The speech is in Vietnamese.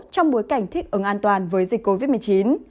trong bối cảnh thích ứng an toàn với dịch covid một mươi chín